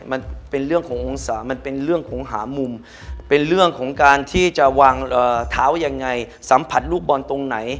มันเป็นเรื่องขององศามันเป็นเรื่องของหามุมเป็นเรื่องของการที่จะวางเท้ายังไงสัมผัสลูกบอลตรงไหน